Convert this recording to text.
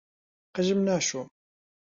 قژم ناشۆم.